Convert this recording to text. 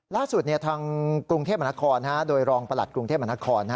ล่าสุดทางกรุงเทพมหานครโดยรองประหลัดกรุงเทพมหานคร